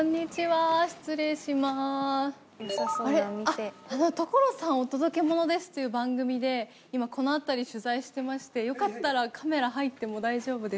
あっあの『所さんお届けモノです！』という番組で今この辺り取材してましてよかったらカメラ入っても大丈夫ですか？